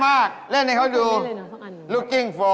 อันนี้เล่นอย่างไรนะคะ